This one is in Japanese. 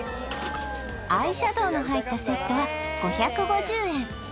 アイシャドウの入ったセットは５５０円